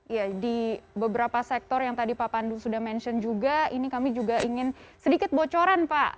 ya di beberapa sektor yang tadi pak pandu sudah mention juga ini kami juga ingin sedikit bocoran pak